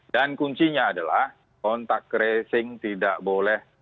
dan kuncinya adalah kontak kresing tidak boleh